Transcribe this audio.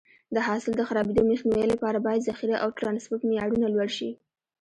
د حاصل د خرابېدو مخنیوي لپاره باید ذخیره او ټرانسپورټ معیارونه لوړ شي.